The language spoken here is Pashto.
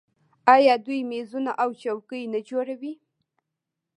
آیا دوی میزونه او څوکۍ نه جوړوي؟